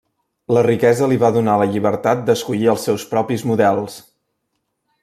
La riquesa li va donar la llibertat d'escollir els seus propis models.